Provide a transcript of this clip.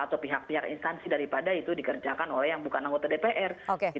atau pihak pihak instansi daripada itu dikerjakan oleh yang bukan anggota dpr